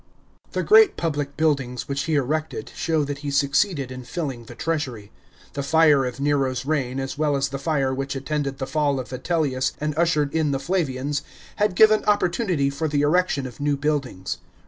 § 6. The great public buildings which he erected show that he succeeded in filling the treasury. The fire of Nero's reign as well as the fire which attended the fall of Vitellius and ushered in the Flavians, had given opportunity for the erection of new buildings.